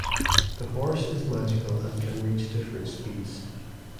The horse is magical and can reach different speeds.